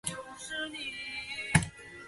像在黑暗中看见一线光芒